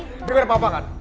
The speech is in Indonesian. gak ada apa apa kan